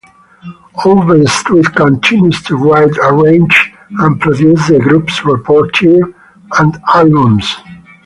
Overstreet continues to write, arrange and produce the group's repertoire and albums.